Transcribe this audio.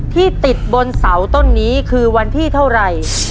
ที่ติดบนเสาต้นนี้คือวันที่เท่าไหร่